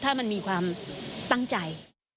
ถ้ามันมีความตั้งใจ